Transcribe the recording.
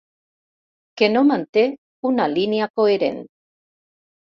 Que no manté una línia coherent.